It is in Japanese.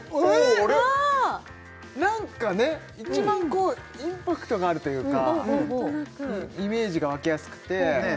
あれっなんかね一番インパクトがあるというかイメージがわきやすくてねえ